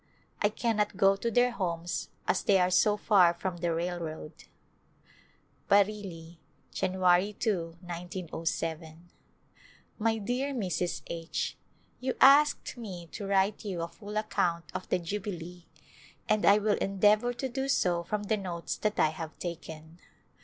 I cannot go to their homes as they are so far from the railroad. Bareilly^ Jan. 2^ 190J, My dear Mrs. H : You asked me to write you a full account of the Jubilee and I will endeavor to do so from the " notes " that I have taken.